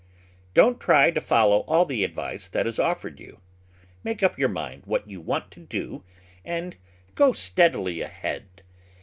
Don't try to follow all the advice that is offered you; make up your mind what you want to do and go steadily ahead.